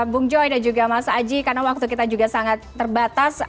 bung joy dan juga mas aji karena waktu kita juga sangat terbatas